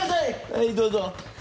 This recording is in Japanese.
はいどうぞ。